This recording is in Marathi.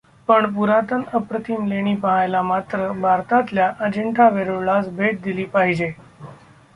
पण पुरातन अप्रतिम लेणी पहायला मात्र भारतातल्या अजिंठा वेरूळलाच भेट दिली पाहिजे!